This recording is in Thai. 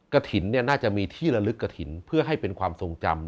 กฐินเนี่ยน่าจะมีที่ละลึกกฐินเพื่อให้เป็นความทรงจำ